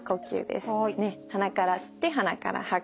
鼻から吸って鼻から吐く。